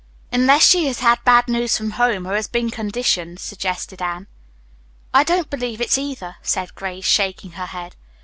"Unless she has had bad news from home or has been conditioned," suggested Anne. "I don't believe it's either," said Grace, shaking her head.